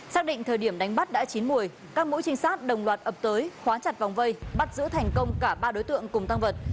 xác định thời điểm đánh bắt đã chín mùi các mũi trinh sát đồng loạt ập tới khóa chặt vòng vây bắt giữ thành công cả ba đối tượng cùng tăng vật